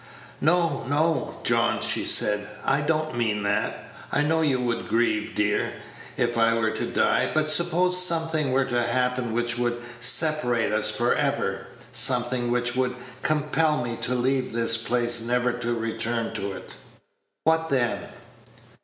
"No, no, John," she said, "I don't mean that. I know you would grieve dear, if I were to die. But suppose something were to happen which would separate us for ever something which would compel me to leave this place never to return to it what then?"